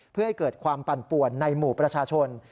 เพื่อให้เกิดความปั่นป่วนในหมู่ประชาชน